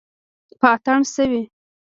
په اتڼ شوي